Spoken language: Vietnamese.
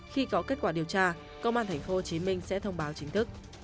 khi có kết quả điều tra công an tp hcm sẽ thông báo chính thức